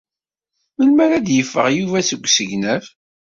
Melmi ara d-yeffeɣ Yuba seg usegnaf?